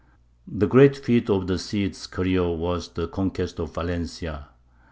] The great feat of the Cid's career was the conquest of Valencia.